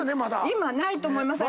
今ないと思います。